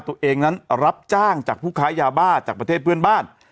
ตัวเองนั้นรับจ้างจากผู้ค้ายวยาบ้าน